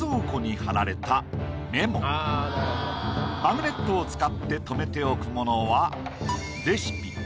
マグネットを使って留めておくものは。